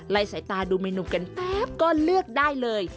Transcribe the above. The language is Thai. สายตาดูเมนูกันแป๊บก็เลือกได้เลย